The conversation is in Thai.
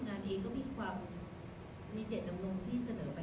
มันก็มีความเห็นสองจิตสองใจ